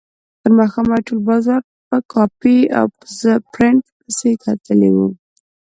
تر ماښامه یې ټول بازار په کاپي او پرنټ پسې کتلی و.